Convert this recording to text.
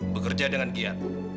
bekerja dengan giat